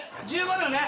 １５秒ね。